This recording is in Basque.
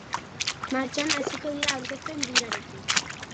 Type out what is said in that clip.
Martxoan hasiko dira aurkezpen birarekin.